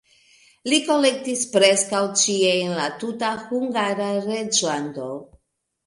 Li kolektis preskaŭ ĉie en la tuta Hungara reĝlando.